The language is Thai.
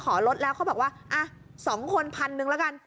พอขอรถแล้วเขาก็บอกว่าอ่ะสองคนพันหนึ่งละกัน